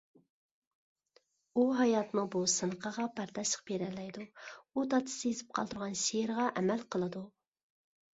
ئۇ ھاياتنىڭ بۇ سىنىقىغا بەرداشلىق بېرەلەيدۇ. ئۇ دادىسى يېزىپ قالدۇرغان شېئىرغا ئەمەل قىلىدۇ